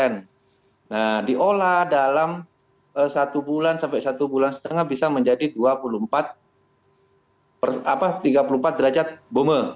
nah diolah dalam satu satu lima bulan bisa menjadi tiga puluh empat derajat bome